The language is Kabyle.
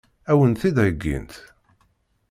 Ad wen-t-id-heggint?